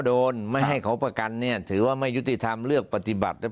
ไม่ให้เขาประกันเนี่ยถือว่าไม่ยุติธรรมเลือกปฏิบัติแล้ว